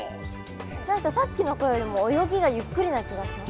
何かさっきの子よりも泳ぎがゆっくりな気がします。